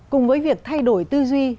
cùng với việc thay đổi tư duy